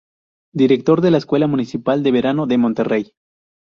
Director de la Escuela Municipal de Verano de Monterrey.